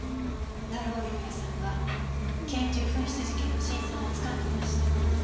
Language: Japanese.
成尾優也さんは拳銃紛失事件の真相も掴んでいました。